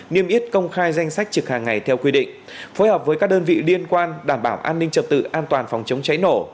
niêm yết công khai danh sách trực hàng ngày theo quy định phối hợp với các đơn vị liên quan đảm bảo an ninh trật tự an toàn phòng chống cháy nổ